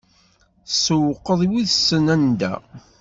Tssewweq wissen anda.